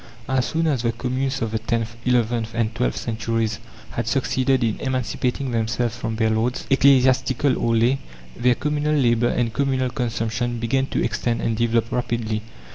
As soon as the communes of the tenth, eleventh, and twelfth centuries had succeeded in emancipating themselves from their lords, ecclesiastical or lay, their communal labour and communal consumption began to extend and develop rapidly.